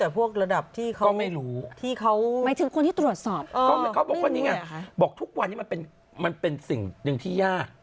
พวกรับพนันทายบ้อนอย่างเงี้ย